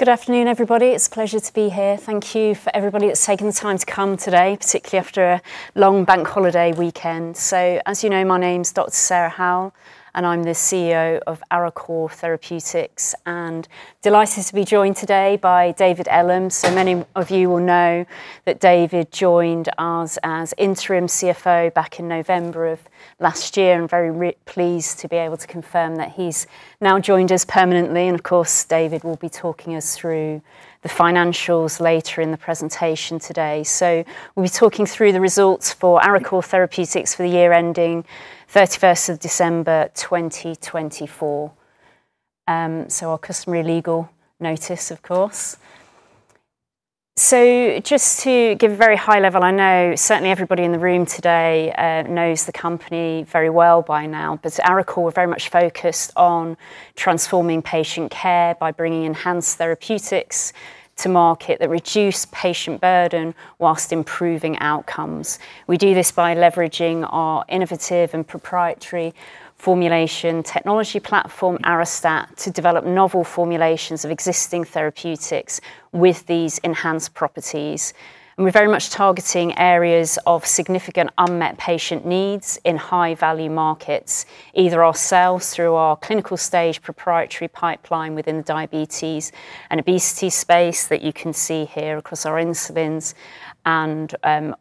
Good afternoon, everybody. It's a pleasure to be here. Thank you for everybody that's taken the time to come today, particularly after a long bank holiday weekend. As you know, my name's Dr. Sarah Howell, and I'm the CEO of Arecor Therapeutics. I'm delighted to be joined today by David Ellam. Many of you will know that David joined us as interim CFO back in November of last year, and I'm very pleased to be able to confirm that he's now joined us permanently. Of course, David will be talking us through the financials later in the presentation today. We'll be talking through the results for Arecor Therapeutics for the year ending 31st of December 2024. Our customary legal notice, of course. Just to give a very high level, I know certainly everybody in the room today knows the company very well by now, but Arecor are very much focused on transforming patient care by bringing enhanced therapeutics to market that reduce patient burden whilst improving outcomes. We do this by leveraging our innovative and proprietary formulation technology platform, Arestat, to develop novel formulations of existing therapeutics with these enhanced properties. We are very much targeting areas of significant unmet patient needs in high-value markets, either ourselves through our clinical stage proprietary pipeline within the diabetes and obesity space that you can see here across our insulins and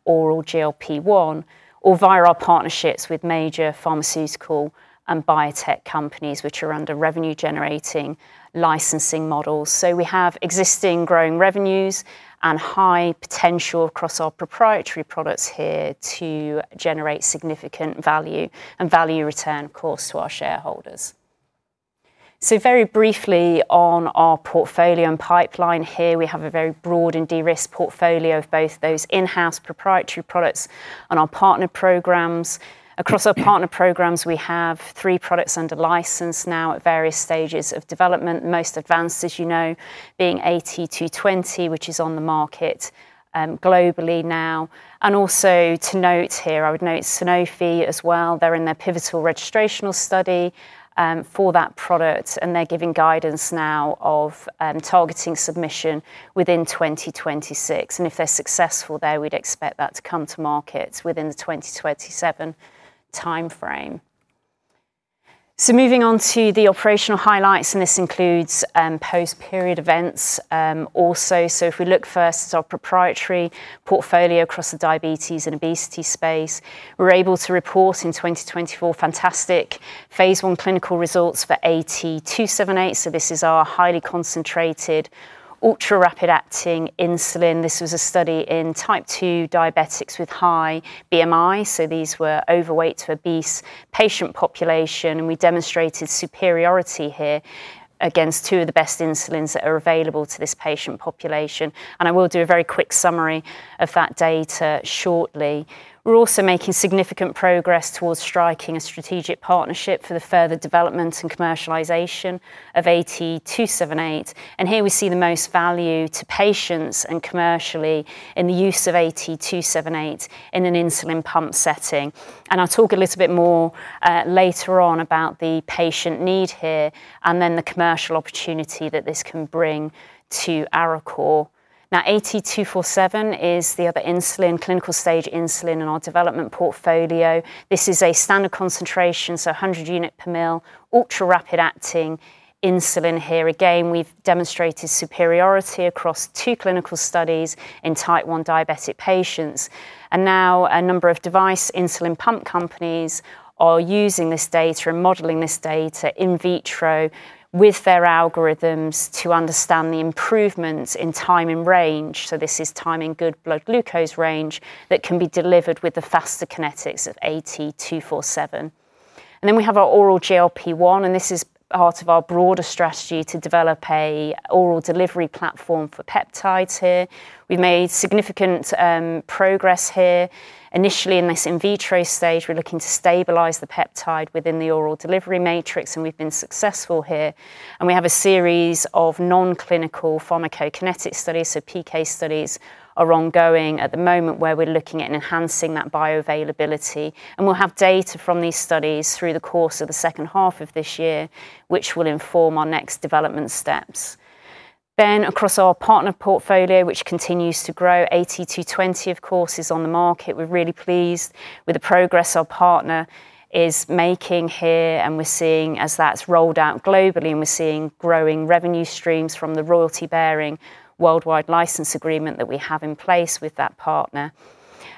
oral GLP-1, or via our partnerships with major pharmaceutical and biotech companies, which are under revenue-generating licensing models. We have existing growing revenues and high potential across our proprietary products here to generate significant value and value return, of course, to our shareholders. Very briefly on our portfolio and pipeline here, we have a very broad and de-risked portfolio of both those in-house proprietary products and our partner programs. Across our partner programs, we have three products under license now at various stages of development, most advanced, as you know, being AT220, which is on the market globally now. Also to note here, I would note Sanofi as well. They're in their pivotal registrational study for that product, and they're giving guidance now of targeting submission within 2026. If they're successful there, we'd expect that to come to market within the 2027 timeframe. Moving on to the operational highlights, and this includes post-period events also. If we look first at our proprietary portfolio across the diabetes and obesity space, we're able to report in 2024 fantastic phase I clinical results for AT278. This is our highly concentrated ultra-rapid-acting insulin. This was a study in type 2 diabetics with high BMI. These were overweight to obese patient population, and we demonstrated superiority here against two of the best insulins that are available to this patient population. I will do a very quick summary of that data shortly. We're also making significant progress towards striking a strategic partnership for the further development and commercialisation of AT278. Here we see the most value to patients and commercially in the use of AT278 in an insulin pump setting. I'll talk a little bit more later on about the patient need here and then the commercial opportunity that this can bring to Arecor. Now, AT247 is the other insulin, clinical stage insulin in our development portfolio. This is a standard concentration, so 100 units per mil, ultra-rapid-acting insulin here. Again, we've demonstrated superiority across two clinical studies in type 1 diabetic patients. A number of device insulin pump companies are using this data and modelling this data in vitro with their algorithms to understand the improvements in time in range. This is time in good blood glucose range that can be delivered with the faster kinetics of AT247. We have our oral GLP-1, and this is part of our broader strategy to develop an oral delivery platform for peptides here. We've made significant progress here. Initially, in this in vitro stage, we're looking to stabilise the peptide within the oral delivery matrix, and we've been successful here. We have a series of non-clinical pharmacokinetic studies, so PK studies are ongoing at the moment where we're looking at enhancing that bioavailability. We'll have data from these studies through the course of the second half of this year, which will inform our next development steps. Across our partner portfolio, which continues to grow, AT220, of course, is on the market. We're really pleased with the progress our partner is making here, and we're seeing as that's rolled out globally, and we're seeing growing revenue streams from the royalty-bearing worldwide license agreement that we have in place with that partner.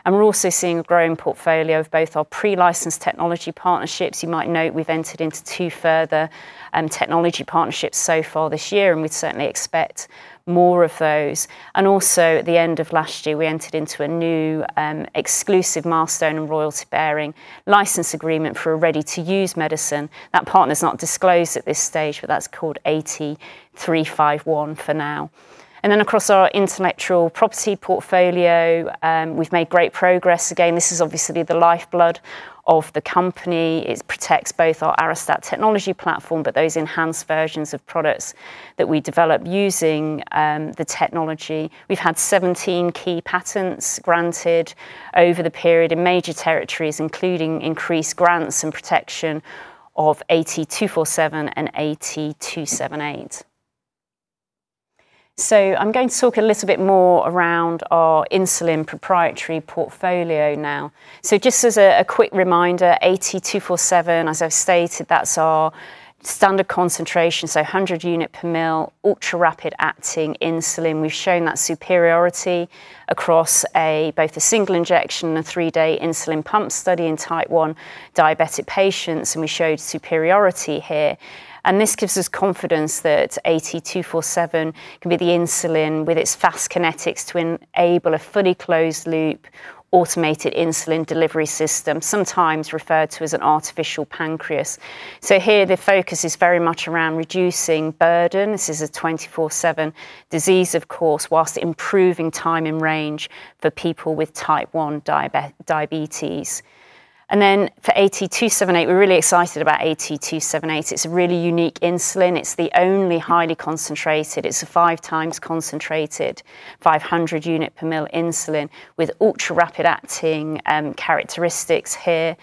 We're also seeing a growing portfolio of both our pre-licensed technology partnerships. You might note we've entered into two further technology partnerships so far this year, and we'd certainly expect more of those. Also, at the end of last year, we entered into a new exclusive milestone and royalty-bearing license agreement for a ready-to-use medicine. That partner's not disclosed at this stage, but that's called AT351 for now. Across our intellectual property portfolio, we've made great progress. This is obviously the lifeblood of the company. It protects both our Arestat technology platform, but those enhanced versions of products that we develop using the technology. We've had 17 key patents granted over the period in major territories, including increased grants and protection of AT247 and AT278. I'm going to talk a little bit more around our insulin proprietary portfolio now. Just as a quick reminder, AT247, as I've stated, that's our standard concentration, so 100 units per mil, ultra-rapid-acting insulin. We've shown that superiority across both a single injection and a three-day insulin pump study in type 1 diabetic patients, and we showed superiority here. This gives us confidence that AT247 can be the insulin with its fast kinetics to enable a fully closed-loop automated insulin delivery system, sometimes referred to as an artificial pancreas. Here, the focus is very much around reducing burden. This is a 24/7 disease, of course, whilst improving time in range for people with type 1 diabetes. For AT278, we're really excited about AT278. It's a really unique insulin. It's the only highly concentrated, it's a five-times concentrated 500 units per mil insulin with ultra-rapid-acting characteristics here.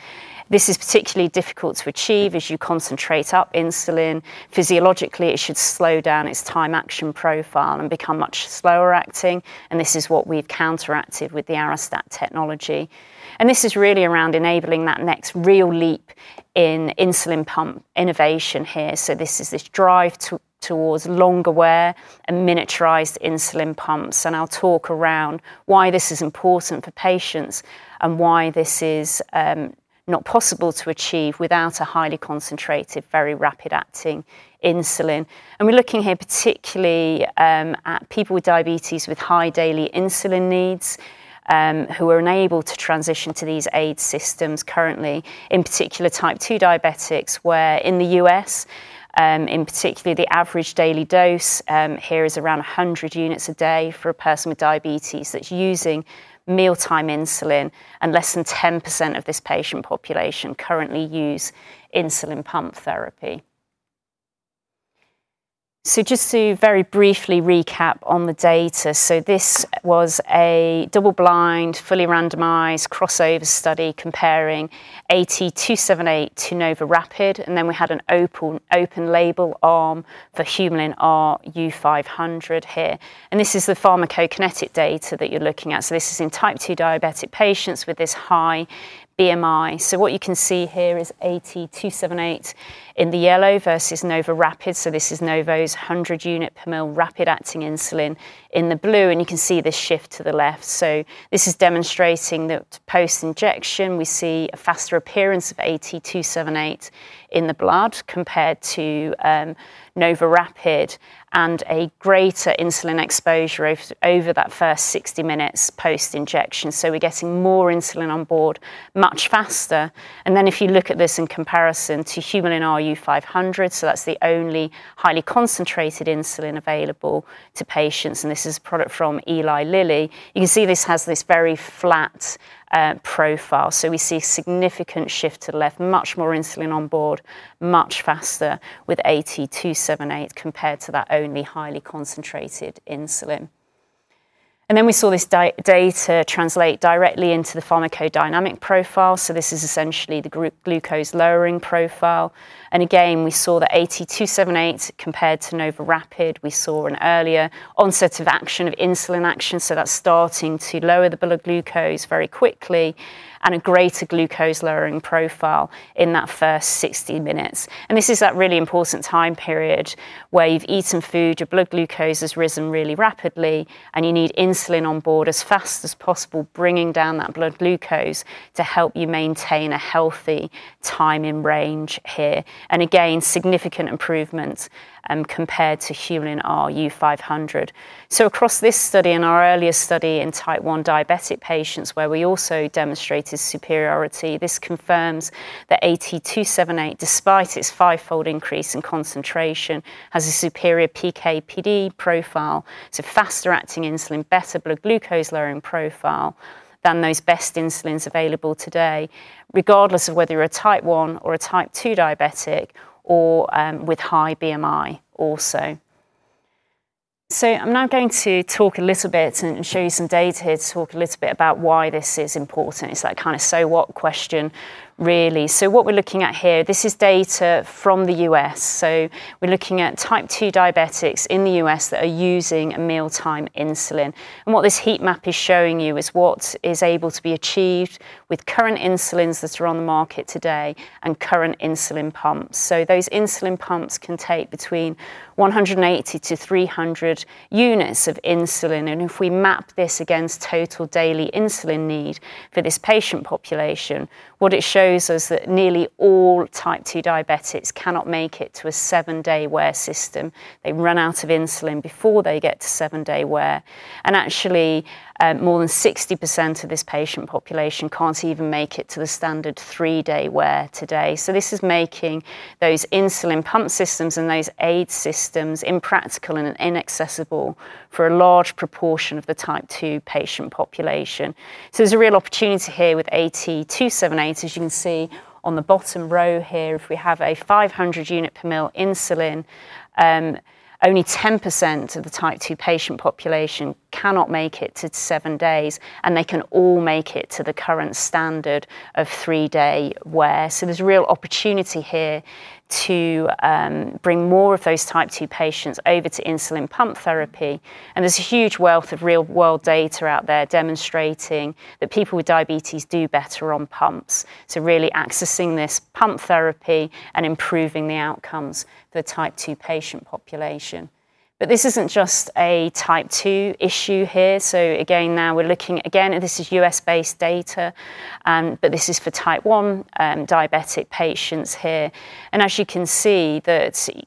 This is particularly difficult to achieve as you concentrate up insulin. Physiologically, it should slow down its time-action profile and become much slower acting. This is what we've counteracted with the Arestat technology. This is really around enabling that next real leap in insulin pump innovation here. This drive towards longer wear and miniaturized insulin pumps is important for patients and is not possible to achieve without a highly concentrated, very rapid-acting insulin. We are looking here particularly at people with diabetes with high daily insulin needs who are unable to transition to these aid systems currently, in particular type 2 diabetics, where in the U.S., the average daily dose is around 100 units a day for a person with diabetes that is using mealtime insulin, and less than 10% of this patient population currently use insulin pump therapy. Just to very briefly recap on the data, this was a double-blind, fully randomized crossover study comparing AT278 to NovoRapid, and then we had an open-label arm for Humulin R U500 here. This is the pharmacokinetic data that you're looking at. This is in type 2 diabetic patients with this high BMI. What you can see here is AT278 in the yellow versus NovoRapid. This is Novo's 100 units per mil rapid-acting insulin in the blue, and you can see this shift to the left. This is demonstrating that post-injection we see a faster appearance of AT278 in the blood compared to NovoRapid and a greater insulin exposure over that first 60 minutes post-injection. We're getting more insulin on board much faster. If you look at this in comparison to Humulin R U500, so that's the only highly concentrated insulin available to patients, and this is a product from Eli Lilly, you can see this has this very flat profile. We see a significant shift to the left, much more insulin on board, much faster with AT278 compared to that only highly concentrated insulin. We saw this data translate directly into the pharmacodynamic profile. This is essentially the glucose lowering profile. Again, we saw that AT278 compared to NovoRapid, we saw an earlier onset of insulin action. That's starting to lower the blood glucose very quickly and a greater glucose lowering profile in that first 60 minutes. This is that really important time period where you've eaten food, your blood glucose has risen really rapidly, and you need insulin on board as fast as possible, bringing down that blood glucose to help you maintain a healthy time in range here. Again, significant improvement compared to Humulin R U500. Across this study and our earlier study in type 1 diabetic patients, where we also demonstrated superiority, this confirms that AT278, despite its five-fold increase in concentration, has a superior PK/PD profile. It's a faster acting insulin, better blood glucose lowering profile than those best insulins available today, regardless of whether you're a type 1 or a type 2 diabetic or with high BMI also. I'm now going to talk a little bit and show you some data to talk a little bit about why this is important. It's that kind of so what question, really. What we're looking at here, this is data from the U..S. We're looking at type 2 diabetics in the U.S. that are using a mealtime insulin. What this heat map is showing you is what is able to be achieved with current insulins that are on the market today and current insulin pumps. Those insulin pumps can take between 180-300 units of insulin. If we map this against total daily insulin need for this patient population, what it shows us is that nearly all type 2 diabetics cannot make it to a seven-day wear system. They run out of insulin before they get to seven-day wear. Actually, more than 60% of this patient population can't even make it to the standard three-day wear today. This is making those insulin pump systems and those aid systems impractical and inaccessible for a large proportion of the type 2 patient population. There is a real opportunity here with AT278, as you can see on the bottom row here. If we have a 500 units per mil insulin, only 10% of the type 2 patient population cannot make it to seven days, and they can all make it to the current standard of three-day wear. There is a real opportunity here to bring more of those type 2 patients over to insulin pump therapy. There is a huge wealth of real-world data out there demonstrating that people with diabetes do better on pumps. Really accessing this pump therapy and improving the outcomes for the type 2 patient population. This is not just a type 2 issue here. Again, now we're looking again, this is U.S.-based data, but this is for type 1 diabetic patients here. As you can see,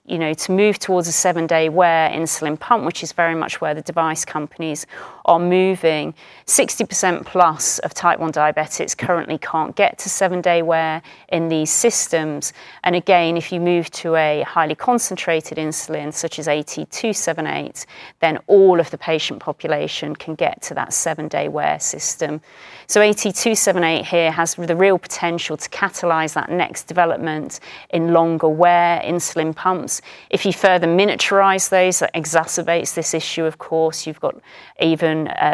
you know, to move towards a seven-day wear insulin pump, which is very much where the device companies are moving, 60%+ of type 1 diabetics currently can't get to seven-day wear in these systems. Again, if you move to a highly concentrated insulin such as AT278, then all of the patient population can get to that seven-day wear system. AT278 here has the real potential to catalyze that next development in longer wear insulin pumps. If you further miniaturize those, that exacerbates this issue, of course. You've got even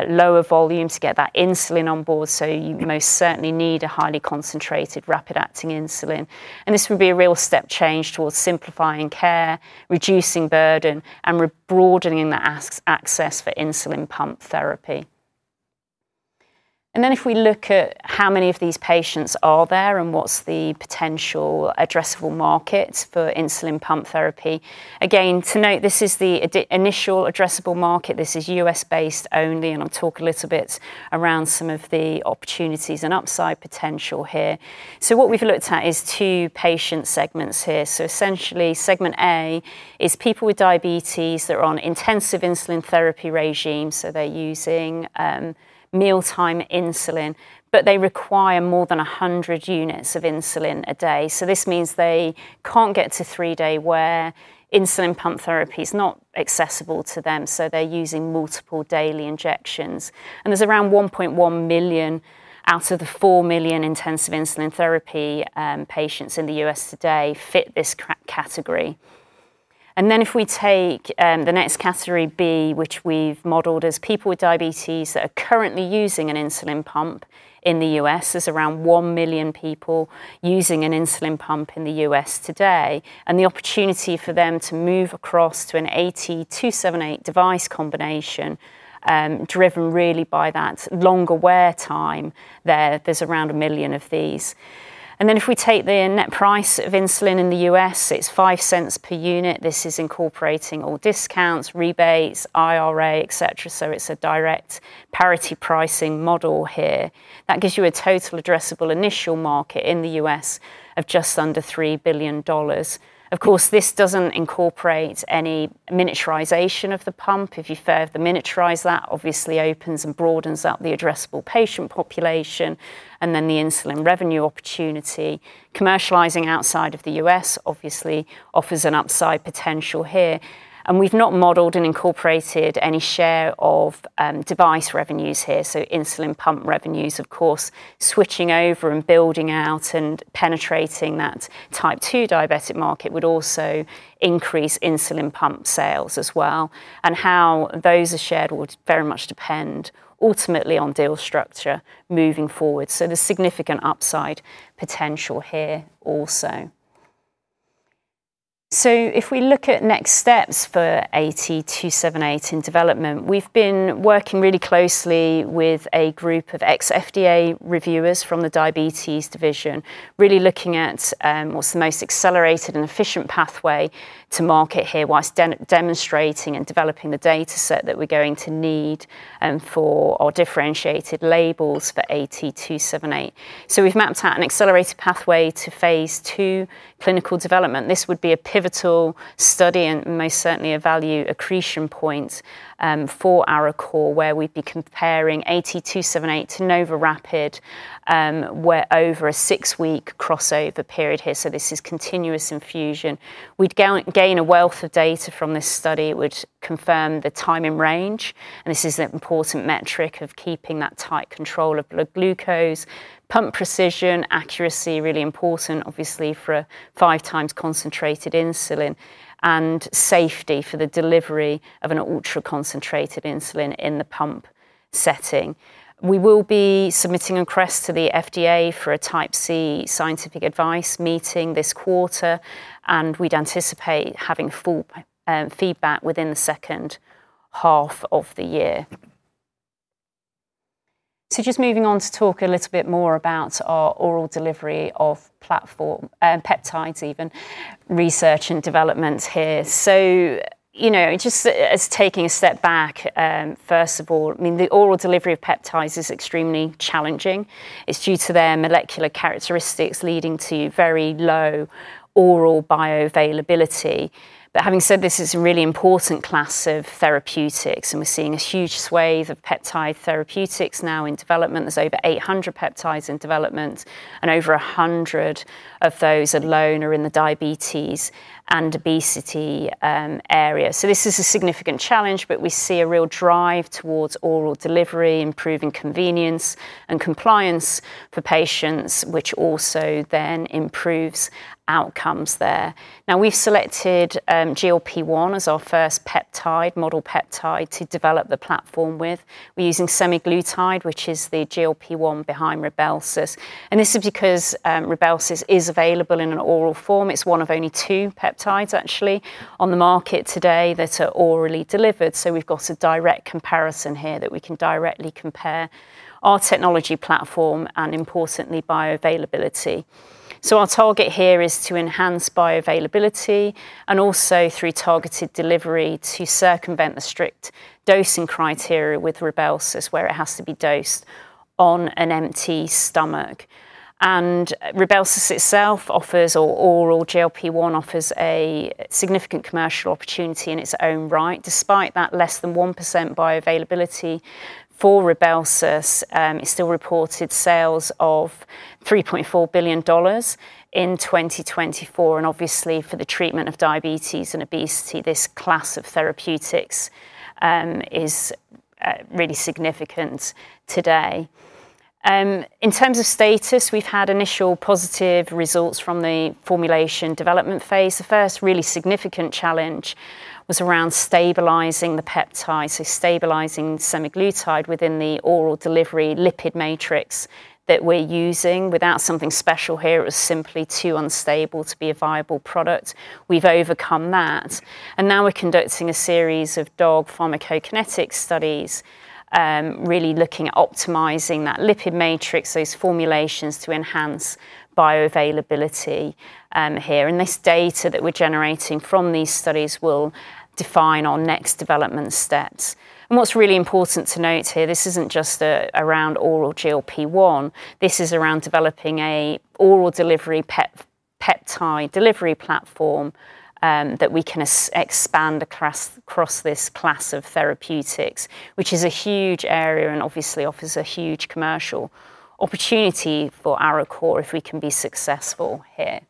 lower volume to get that insulin on board. You most certainly need a highly concentrated rapid-acting insulin. This would be a real step change towards simplifying care, reducing burden, and broadening the access for insulin pump therapy. If we look at how many of these patients are there and what is the potential addressable market for insulin pump therapy, again, to note, this is the initial addressable market. This is US-based only, and I'll talk a little bit around some of the opportunities and upside potential here. What we've looked at is two patient segments here. Essentially, segment A is people with diabetes that are on intensive insulin therapy regime. They're using mealtime insulin, but they require more than 100 units of insulin a day. This means they can't get to three-day wear. Insulin pump therapy is not accessible to them, so they're using multiple daily injections. There are around 1.1 million out of the 4 million intensive insulin therapy patients in the U.S. today who fit this category. If we take the next category B, which we have modelled as people with diabetes that are currently using an insulin pump in the U.S., there are around 1 million people using an insulin pump in the U.S. today. The opportunity for them to move across to an AT278 device combination, driven really by that longer wear time, is around 1 million. If we take the net price of insulin in the U.S., it is $0.05 per unit. This incorporates all discounts, rebates, IRA, etc. It is a direct parity pricing model here. That gives you a total addressable initial market in the U.S. of just under $3 billion. Of course, this does not incorporate any miniaturisation of the pump. If you further miniaturize that, obviously opens and broadens up the addressable patient population and then the insulin revenue opportunity. Commercializing outside of the U.S. obviously offers an upside potential here. We've not modeled and incorporated any share of device revenues here. Insulin pump revenues, of course, switching over and building out and penetrating that type 2 diabetic market would also increase insulin pump sales as well. How those are shared will very much depend ultimately on deal structure moving forward. There is significant upside potential here also. If we look at next steps for AT278 in development, we've been working really closely with a group of ex-FDA reviewers from the diabetes division, really looking at what's the most accelerated and efficient pathway to market here, whilst demonstrating and developing the data set that we're going to need for our differentiated labels for AT278. We have mapped out an accelerated pathway to phase II clinical development. This would be a pivotal study and most certainly a value accretion point for Arecor, where we would be comparing AT278 to NovoRapid over a six-week crossover period here. This is continuous infusion. We would gain a wealth of data from this study. It would confirm the time in range. This is an important metric of keeping that tight control of blood glucose, pump precision, accuracy, really important, obviously, for a five-times concentrated insulin, and safety for the delivery of an ultra-concentrated insulin in the pump setting. We will be submitting a request to the FDA for a type C scientific advice meeting this quarter, and we would anticipate having full feedback within the second half of the year. Just moving on to talk a little bit more about our oral delivery of platform peptides, even research and development here. You know, just as taking a step back, first of all, I mean, the oral delivery of peptides is extremely challenging. It's due to their molecular characteristics leading to very low oral bioavailability. Having said this, it's a really important class of therapeutics, and we're seeing a huge swathe of peptide therapeutics now in development. There are over 800 peptides in development, and over 100 of those alone are in the diabetes and obesity area. This is a significant challenge, but we see a real drive towards oral delivery, improving convenience and compliance for patients, which also then improves outcomes there. Now, we've selected GLP-1 as our first peptide, model peptide to develop the platform with. We're using semaglutide, which is the GLP-1 behind RYBELSUS. This is because RYBELSUS is available in an oral form. It is one of only two peptides, actually, on the market today that are orally delivered. We have a direct comparison here that we can directly compare our technology platform and, importantly, bioavailability. Our target here is to enhance bioavailability and also through targeted delivery to circumvent the strict dosing criteria with RYBELSUS, where it has to be dosed on an empty stomach. RYBELSUS itself offers, or oral GLP-1 offers, a significant commercial opportunity in its own right. Despite that less than 1% bioavailability for RYBELSUS, it still reported sales of $3.4 billion in 2024. Obviously, for the treatment of diabetes and obesity, this class of therapeutics is really significant today. In terms of status, we have had initial positive results from the formulation development phase. The first really significant challenge was around stabilizing the peptide, so stabilizing semaglutide within the oral delivery lipid matrix that we're using. Without something special here, it was simply too unstable to be a viable product. We've overcome that. We are now conducting a series of dog pharmacokinetic studies, really looking at optimizing that lipid matrix, those formulations to enhance bioavailability here. This data that we're generating from these studies will define our next development steps. What's really important to note here, this isn't just around oral GLP-1. This is around developing an oral delivery peptide delivery platform that we can expand across this class of therapeutics, which is a huge area and obviously offers a huge commercial opportunity for Arecor if we can be successful here.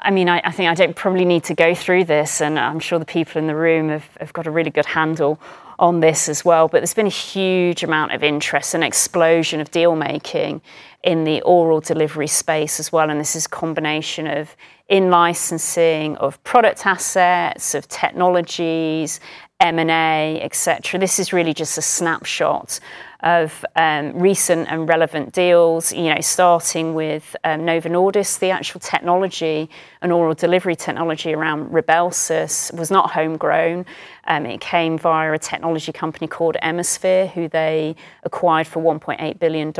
I think I don't probably need to go through this, and I'm sure the people in the room have got a really good handle on this as well. There's been a huge amount of interest and explosion of dealmaking in the oral delivery space as well. This is a combination of in-licensing of product assets, of technologies, M&A, etc. This is really just a snapshot of recent and relevant deals, you know, starting with Novo Nordisk. The actual technology, an oral delivery technology around RYBELSUS, was not homegrown. It came via a technology company called Emmosphere, who they acquired for $1.8 billion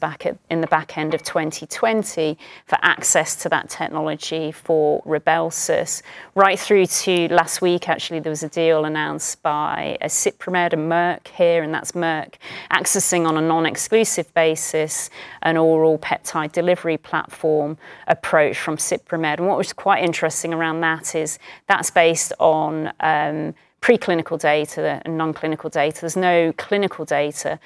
back in the back end of 2020 for access to that technology for RYBELSUS. Right through to last week, actually, there was a deal announced by SupraMed and Merck here, and that's Merck accessing on a non-exclusive basis an oral peptide delivery platform approach from SupraMed. What was quite interesting around that is that's based on preclinical data and non-clinical data. There's no clinical data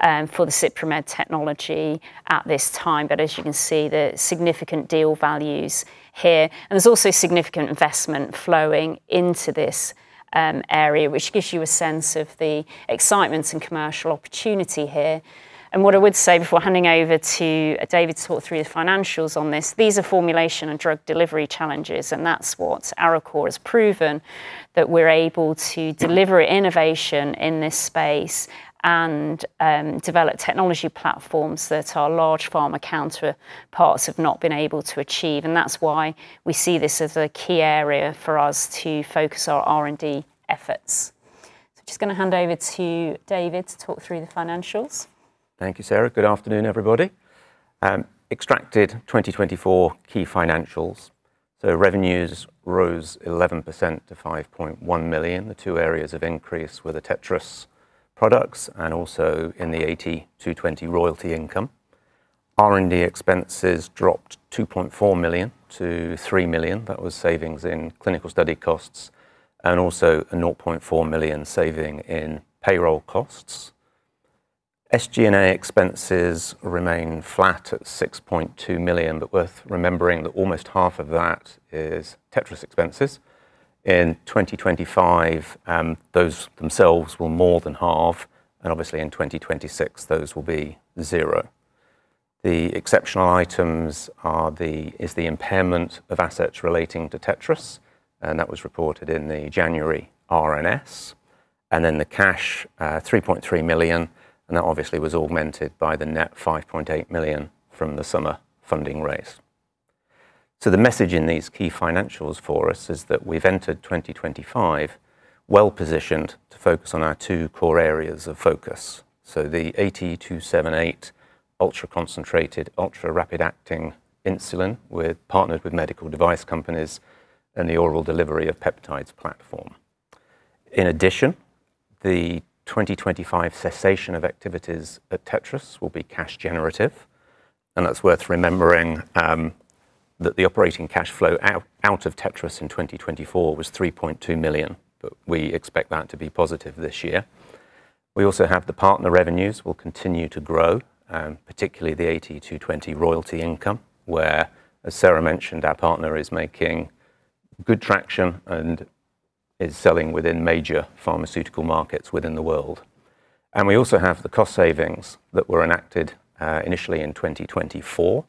for the SupreMed technology at this time, but as you can see, there are significant deal values here. There's also significant investment flowing into this area, which gives you a sense of the excitement and commercial opportunity here. What I would say before handing over to David to talk through the financials on this, these are formulation and drug delivery challenges, and that's what Arecor has proven, that we're able to deliver innovation in this space and develop technology platforms that our large pharma counterparts have not been able to achieve. That's why we see this as a key area for us to focus our R&D efforts. I'm just going to hand over to David to talk through the financials. Thank you, Sarah. Good afternoon, everybody. Extracted 2024 key financials. Revenues rose 11% to $5.1 million. The two areas of increase were the Tetris products and also in the AT220 royalty income. R&D expenses dropped $2.4 million to $3 million. That was savings in clinical study costs and also a $0.4 million saving in payroll costs. SG&A expenses remain flat at $6.2 million, but worth remembering that almost half of that is Tetris expenses. In 2025, those themselves will more than halve, and obviously in 2026, those will be zero. The exceptional items are the impairment of assets relating to Tetris, and that was reported in the January R&S. The cash, $3.3 million, and that obviously was augmented by the net $5.8 million from the summer funding raise. The message in these key financials for us is that we've entered 2025 well-positioned to focus on our two core areas of focus. The AT278 ultra-concentrated, ultra-rapid-acting insulin. We're partnered with medical device companies and the oral delivery of peptides platform. In addition, the 2025 cessation of activities at Tetris will be cash generative. That is worth remembering that the operating cash flow out of Tetris in 2024 was $3.2 million, but we expect that to be positive this year. We also have the partner revenues will continue to grow, particularly the AT220 royalty income, where, as Sarah mentioned, our partner is making good traction and is selling within major pharmaceutical markets within the world. We also have the cost savings that were enacted initially in 2024,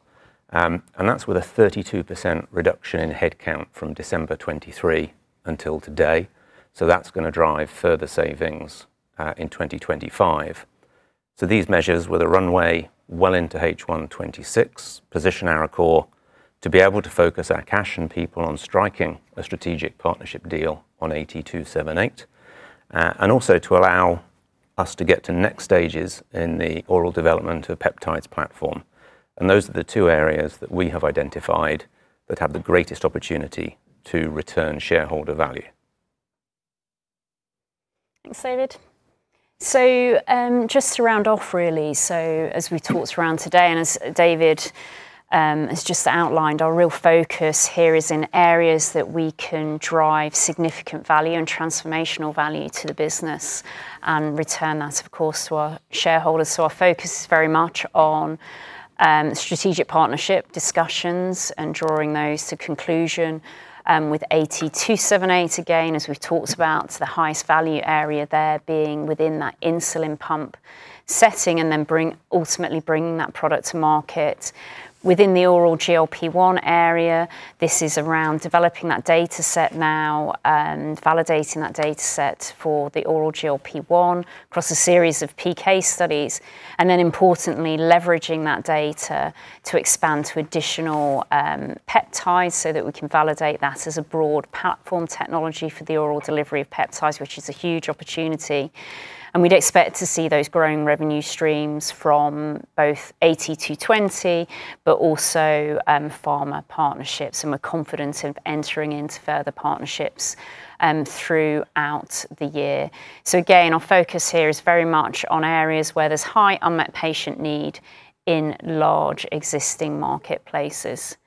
and that's with a 32% reduction in headcount from December 2023 until today. That is going to drive further savings in 2025. These measures were the runway well into H1 2026, position Arecor to be able to focus our cash and people on striking a strategic partnership deal on AT278, and also to allow us to get to next stages in the oral development of peptides platform. Those are the two areas that we have identified that have the greatest opportunity to return shareholder value. Thanks, David. Just to round off, really, as we talked around today and as David has just outlined, our real focus here is in areas that we can drive significant value and transformational value to the business and return that, of course, to our shareholders. Our focus is very much on strategic partnership discussions and drawing those to conclusion with AT278, again, as we've talked about, the highest value area there being within that insulin pump setting and then ultimately bringing that product to market within the oral GLP-1 area. This is around developing that data set now and validating that data set for the oral GLP-1 across a series of PK studies. Importantly, leveraging that data to expand to additional peptides so that we can validate that as a broad platform technology for the oral delivery of peptides, which is a huge opportunity. We'd expect to see those growing revenue streams from both AT220, but also pharma partnerships. We're confident in entering into further partnerships throughout the year. Our focus here is very much on areas where there's high unmet patient need in large existing marketplaces.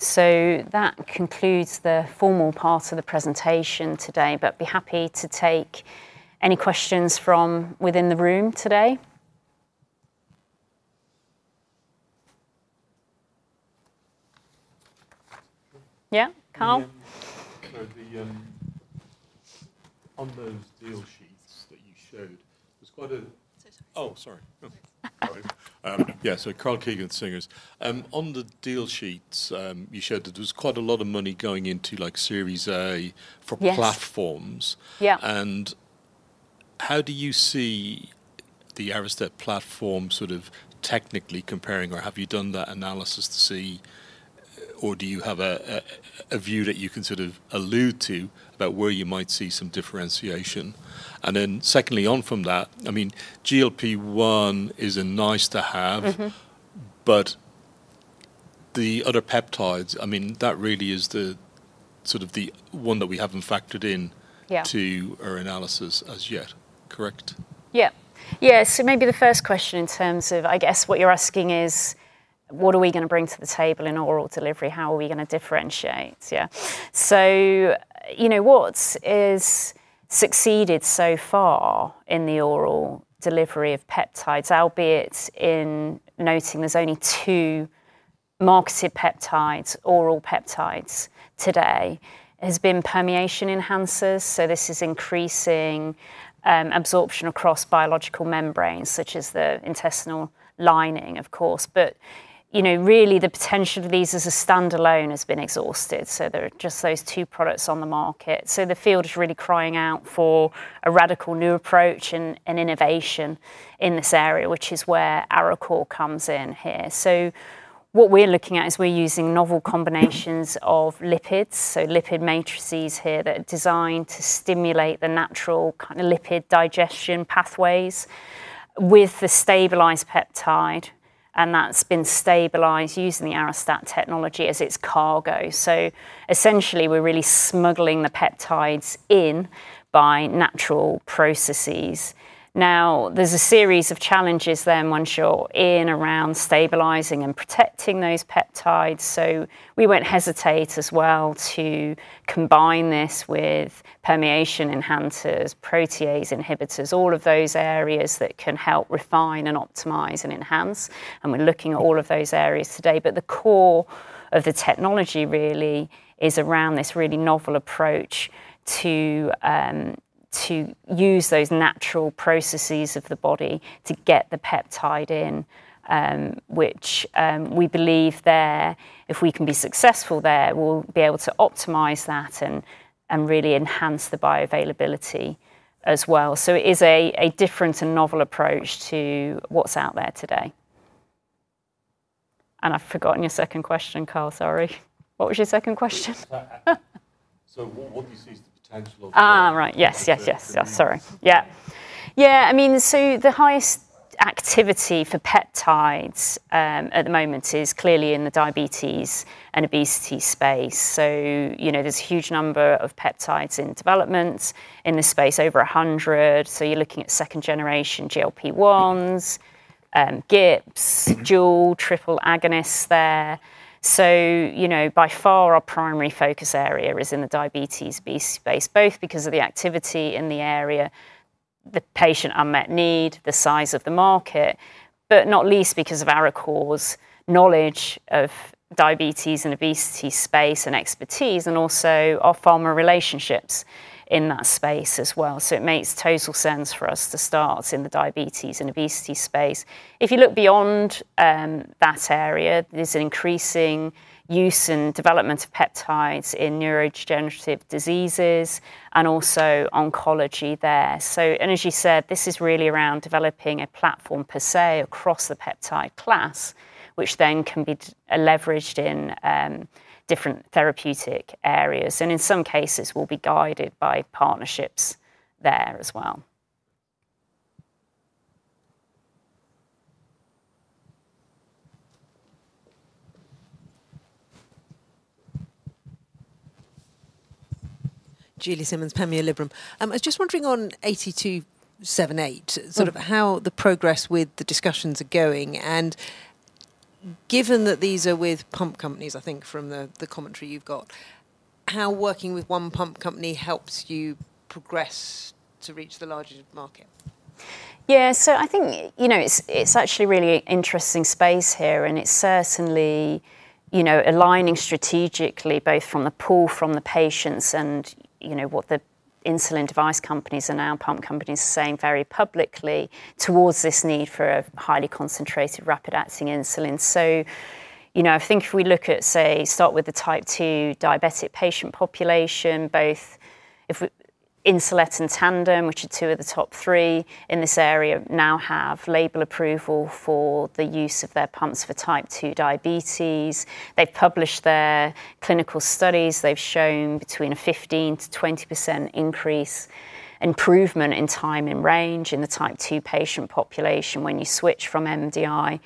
That concludes the formal part of the presentation today, but be happy to take any questions from within the room today. Yeah, Karl? On those deal sheets that you showed, there's quite a—Oh, sorry. Sorry. Yeah, so Karl Keegan, Singers. On the deal sheets, you showed that there was quite a lot of money going into like Series A for platforms. How do you see the Arestat platform sort of technically comparing, or have you done that analysis to see, or do you have a view that you can sort of allude to about where you might see some differentiation? Secondly, on from that, I mean, GLP-1 is a nice to have, but the other peptides, I mean, that really is the sort of the one that we haven't factored into our analysis as yet, correct? Yeah. Yeah, so maybe the first question in terms of, I guess what you're asking is, what are we going to bring to the table in oral delivery? How are we going to differentiate? Yeah. So, you know, what has succeeded so far in the oral delivery of peptides, albeit in noting there's only two marketed oral peptides today, has been permeation enhancers. This is increasing absorption across biological membranes, such as the intestinal lining, of course. You know, really the potential of these as a standalone has been exhausted. There are just those two products on the market. The field is really crying out for a radical new approach and innovation in this area, which is where Arecor comes in here. What we're looking at is we're using novel combinations of lipids, so lipid matrices here that are designed to stimulate the natural kind of lipid digestion pathways with the stabilized peptide, and that's been stabilized using the Arestat technology as its cargo. Essentially, we're really smuggling the peptides in by natural processes. Now, there's a series of challenges there, once you're in, around stabilizing and protecting those peptides. We won't hesitate as well to combine this with permeation enhancers, protease inhibitors, all of those areas that can help refine and optimize and enhance. We're looking at all of those areas today. The core of the technology really is around this really novel approach to use those natural processes of the body to get the peptide in, which we believe there, if we can be successful there, we'll be able to optimise that and really enhance the bioavailability as well. It is a different and novel approach to what's out there today. I've forgotten your second question, Carl, sorry. What was your second question? What do you see is the potential of—Ah, right, yes, yes, yes, yes, sorry. Yeah. Yeah, I mean, the highest activity for peptides at the moment is clearly in the diabetes and obesity space. You know, there's a huge number of peptides in development in this space, over 100. You're looking at second generation GLP-1s, GIPs, dual triple agonists there. You know, by far our primary focus area is in the diabetes space, both because of the activity in the area, the patient unmet need, the size of the market, but not least because of Arecor's knowledge of diabetes and obesity space and expertise, and also our pharma relationships in that space as well. It makes total sense for us to start in the diabetes and obesity space. If you look beyond that area, there is an increasing use and development of peptides in neurodegenerative diseases and also oncology there. As you said, this is really around developing a platform per se across the peptide class, which then can be leveraged in different therapeutic areas. In some cases, we will be guided by partnerships there as well. Julie Simmonds, Peel Hunt. I was just wondering on AT278, sort of how the progress with the discussions are going. Given that these are with pump companies, I think from the commentary you've got, how working with one pump company helps you progress to reach the larger market? Yeah, I think, you know, it's actually a really interesting space here, and it's certainly, you know, aligning strategically both from the pool, from the patients, and, you know, what the insulin device companies and our pump companies are saying very publicly towards this need for a highly concentrated rapid-acting insulin. I think if we look at, say, start with the type 2 diabetic patient population, both Insulet and Tandem, which are two of the top three in this area, now have label approval for the use of their pumps for type 2 diabetes. They've published their clinical studies. They've shown between a 15%-20% increase improvement in time in range in the type 2 patient population when you switch from MDI to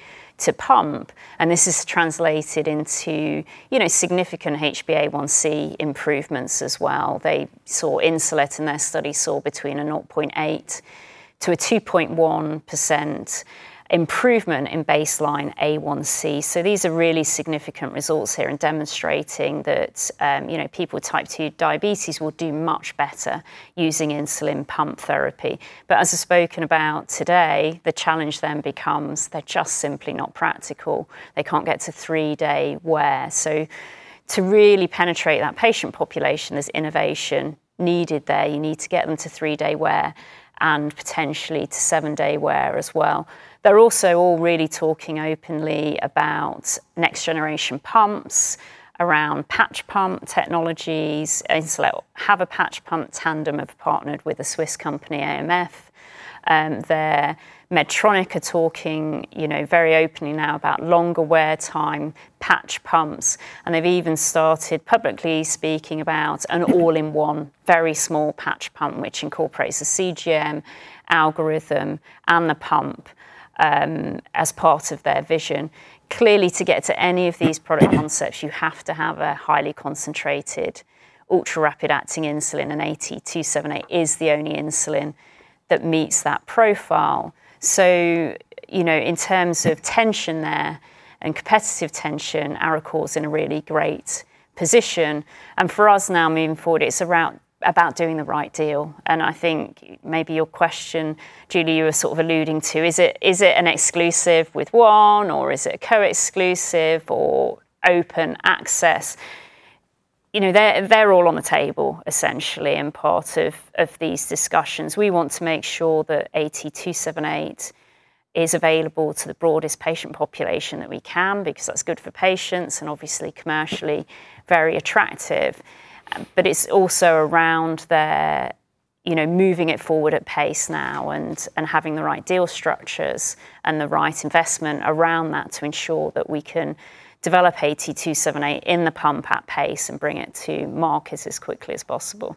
pump. This has translated into, you know, significant HbA1c improvements as well. Insulet in their study saw between a 0.8%-2.1% improvement in baseline A1c. These are really significant results here in demonstrating that, you know, people with type 2 diabetes will do much better using insulin pump therapy. As I've spoken about today, the challenge then becomes they're just simply not practical. They can't get to three-day wear. To really penetrate that patient population, there's innovation needed there. You need to get them to three-day wear and potentially to seven-day wear as well. They're also all really talking openly about next generation pumps, around patch pump technologies. Insulet have a patch pump. Tandem have partnered with a Swiss company, AMF. Medtronic are talking, you know, very openly now about longer wear time patch pumps. They have even started publicly speaking about an all-in-one very small patch pump, which incorporates a CGM algorithm and the pump as part of their vision. Clearly, to get to any of these product concepts, you have to have a highly concentrated ultra-rapid-acting insulin, and AT278 is the only insulin that meets that profile. You know, in terms of tension there and competitive tension, Arecor is in a really great position. For us now moving forward, it is about doing the right deal. I think maybe your question, Julie, you were sort of alluding to, is it an exclusive with one, or is it a co-exclusive or open access? You know, they're all on the table essentially in part of these discussions. We want to make sure that AT278 is available to the broadest patient population that we can because that's good for patients and obviously commercially very attractive. It is also around their, you know, moving it forward at pace now and having the right deal structures and the right investment around that to ensure that we can develop AT278 in the pump at pace and bring it to market as quickly as possible.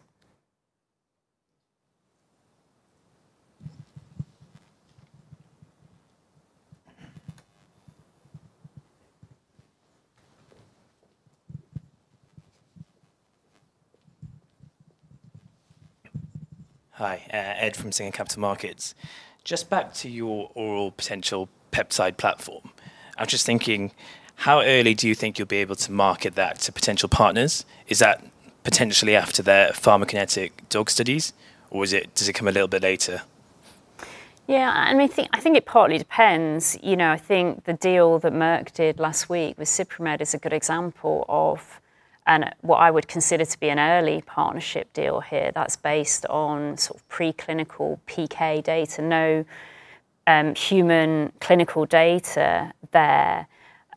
Hi, Ed from Singer Capital Markets. Just back to your oral potential peptide platform. I'm just thinking, how early do you think you'll be able to market that to potential partners? Is that potentially after their pharmacokinetic dog studies, or does it come a little bit later? Yeah, and I think it partly depends. You know, I think the deal that Merck did last week with SupraMed is a good example of what I would consider to be an early partnership deal here that's based on sort of preclinical PK data, no human clinical data there.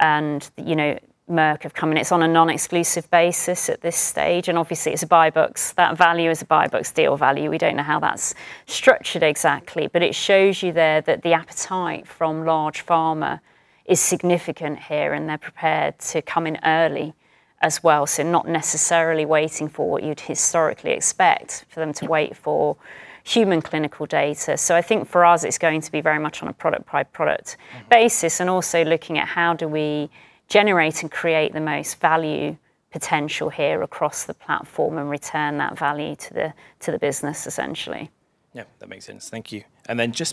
You know, Merck have come in, it's on a non-exclusive basis at this stage. Obviously, it's a buy books. That value is a buy books deal value. We don't know how that's structured exactly, but it shows you there that the appetite from large pharma is significant here and they're prepared to come in early as well. Not necessarily waiting for what you'd historically expect for them to wait for human clinical data. I think for us, it's going to be very much on a product-by-product basis and also looking at how do we generate and create the most value potential here across the platform and return that value to the business essentially. Yeah, that makes sense. Thank you.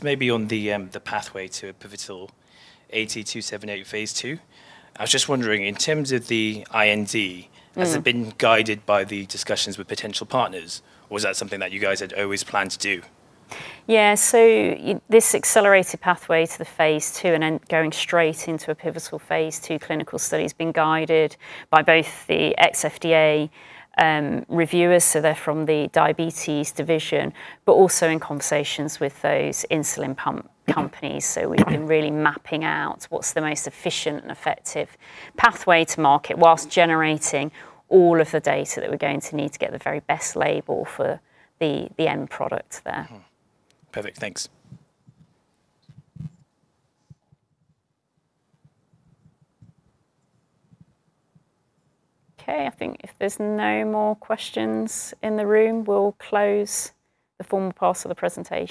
Maybe on the pathway to a pivotal AT278 phase two, I was just wondering in terms of the IND, has it been guided by the discussions with potential partners, or is that something that you guys had always planned to do? Yeah, this accelerated pathway to the phase two and then going straight into a pivotal phase two clinical study has been guided by both the ex-FDA reviewers, so they're from the diabetes division, but also in conversations with those insulin pump companies. We have been really mapping out what is the most efficient and effective pathway to market whilst generating all of the data that we are going to need to get the very best label for the end product there. Perfect, thanks. Okay, I think if there are no more questions in the room, we will close the formal parts of the presentation.